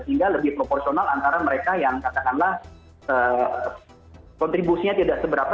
sehingga lebih proporsional antara mereka yang katakanlah kontribusinya tidak seberapa